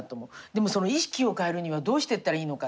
でもその意識を変えるにはどうしていったらいいのか。